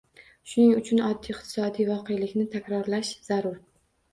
Shuning uchun oddiy iqtisodiy voqelikni takrorlash zarur